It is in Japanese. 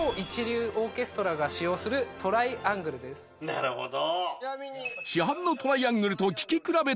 なるほど。